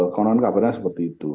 konon kabarnya seperti itu